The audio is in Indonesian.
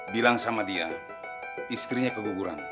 bilang sama dia istrinya keguguran